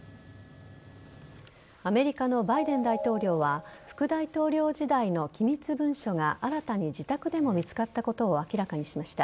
アメリカのバイデン大統領は副大統領時代の機密文書が新たに自宅でも見つかったことを明らかにしました。